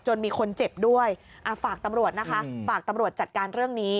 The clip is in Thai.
มีคนเจ็บด้วยฝากตำรวจนะคะฝากตำรวจจัดการเรื่องนี้